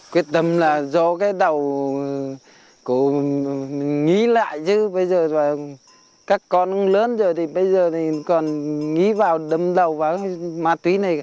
quyết tâm là do cái đầu cố nghĩ lại chứ bây giờ các con lớn rồi bây giờ còn nghĩ vào đâm đầu vào ma túy này